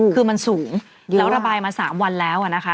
คือมันสูงแล้วระบายมา๓วันแล้วนะคะ